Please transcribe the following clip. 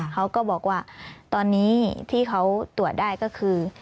เขาก็บอกว่าตอนนี้ที่เขาตรวจได้ก็คือ